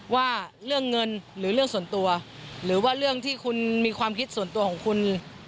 ว่าเรื่องเงินหรือเรื่องส่วนตัวหรือว่าเรื่องที่คุณมีความคิดส่วนตัวของคุณ